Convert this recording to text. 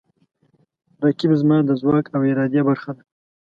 رقیب زما د ځواک او ارادې برخه ده